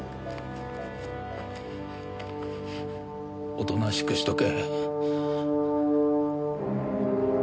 おとなしくしとけ。